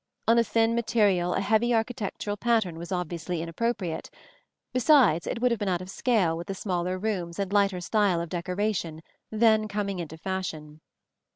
On a thin material a heavy architectural pattern was obviously inappropriate; besides, it would have been out of scale with the smaller rooms and lighter style of decoration then coming into fashion.